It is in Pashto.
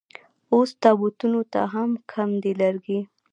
اوس تابوتونو ته هم کم دي لرګي